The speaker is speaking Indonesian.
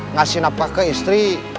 ngasih napa ke istri